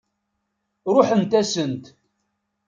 Ṛuḥent-asent.